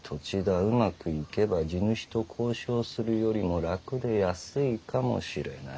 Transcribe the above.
うまくいけば地主と交渉するよりも楽で安いかもしれない」。